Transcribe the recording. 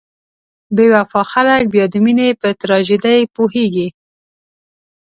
بې وفا خلک بیا د مینې په تراژیدۍ پوهیږي.